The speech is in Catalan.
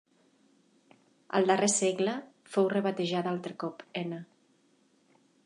Al darrer segle fou rebatejada altre cop Enna.